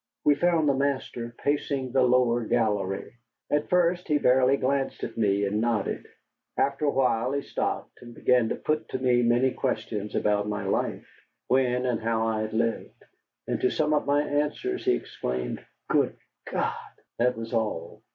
We found the master pacing the lower gallery. At first he barely glanced at me, and nodded. After a while he stopped, and began to put to me many questions about my life: when and how I had lived. And to some of my answers he exclaimed, "Good God!" That was all.